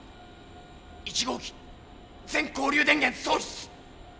１号機全交流電源喪失。